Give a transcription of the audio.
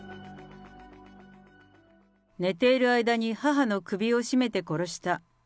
寝ている間に母の首を絞めて殺した。